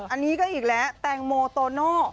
อันนี้ก็อีกแล้วแตงโมโตโน่